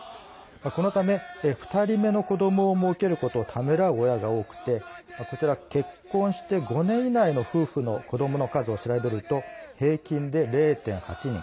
このため、２人目の子どもをもうけることをためらう親が多くて結婚して５年以内の夫婦の子どもの数を調べると平均で０．８人。